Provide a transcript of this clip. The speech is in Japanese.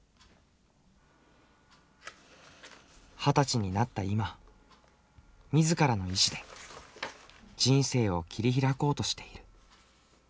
二十歳になった今自らの意思で人生を切り開こうとしている。